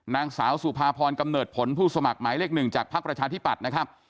นางสาวสุภาพรกำเนิดผลผู้สมัครหมายเลข๑จากพักประชาธิปัตย์นะครับ